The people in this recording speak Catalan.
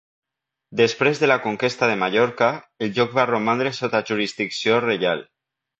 Després de la conquesta de Mallorca, el lloc va romandre sota jurisdicció reial.